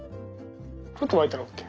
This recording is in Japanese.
ちょっと沸いたらＯＫ。